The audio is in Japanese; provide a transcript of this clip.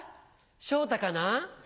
ショウタかなぁ？